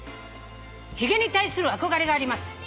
「ひげに対する憧れがあります」